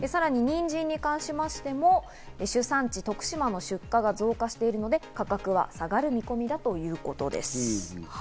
さらににんじんに関しましても、主産地・徳島の出荷が増加しているので価格は下がる見込みだということです。